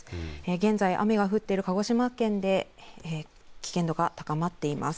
現在、雨が降っている鹿児島県で危険度が高まっています。